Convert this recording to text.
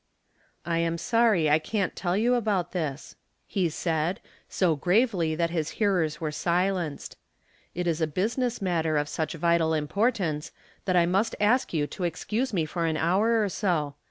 "I am sorry I can't tell you about this," he said, so gravely that his hearers were silenced. "It is a business matter of such vital importance that I must ask you to excuse me for an hour or so.